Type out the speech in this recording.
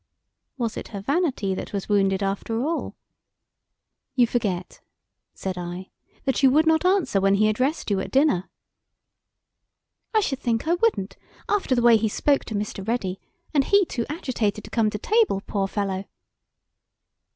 Was it her vanity that was wounded after all? "You forget," said I, "that you would not answer when he addressed you at dinner." "I should think I wouldn't, after the way he spoke to Mr. Ready; and he too agitated to come to table, poor fellow!"